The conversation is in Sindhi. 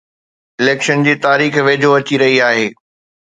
اليڪشن جي تاريخ ويجهو اچي رهي آهي